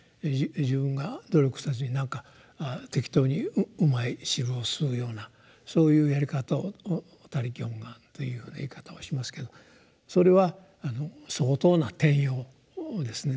自分が努力せずになんか適当にうまい汁を吸うようなそういうやり方を「他力本願」というふうな言い方をしますけどそれは相当な転用ですね。